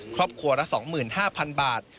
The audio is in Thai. ครอบครัวละ๒๕๐๐๐บาท